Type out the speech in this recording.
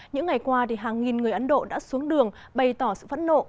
những ngày qua hàng nghìn người ấn độ đã xuống đường bày tỏ sự phẫn nộ